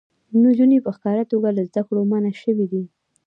نجونې په ښکاره توګه له زده کړو منع شوې دي.